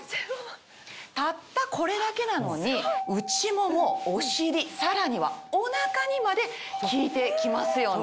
たったこれだけなのに内ももお尻さらにはお腹にまで効いて来ますよね。